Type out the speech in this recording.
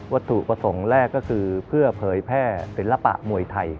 ถูกประสงค์แรกก็คือเพื่อเผยแพร่ศิลปะมวยไทย